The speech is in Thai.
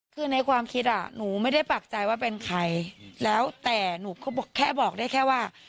คือในความคิดอ่ะหนูไม่ได้ปากใจว่าเป็นใครแล้วแต่หนูก็แค่บอกได้แค่ว่า